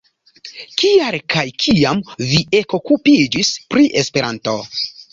Kial kaj kiam vi ekokupiĝis pri Esperanto?